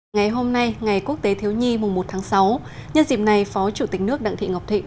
ngày hôm nay ngày quốc tế thiếu nhi mùng một tháng sáu nhân dịp này phó chủ tịch nước đặng thị ngọc thịnh